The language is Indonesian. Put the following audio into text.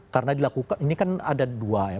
karena dilakukan ini kan ada dua ya